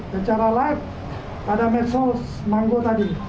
secara live ada medsos manggo tadi